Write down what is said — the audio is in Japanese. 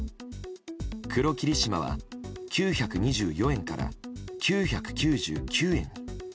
黒霧島は９２４円から９９９円に。